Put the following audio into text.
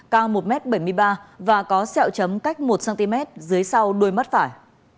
cao một m bảy mươi ba và có xẹo chấm cách một cm dưới sau đôi mắt phải